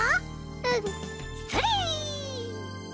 うん。それ。